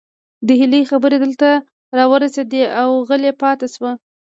د هيلې خبرې دلته راورسيدې او غلې پاتې شوه